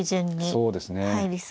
そうですね。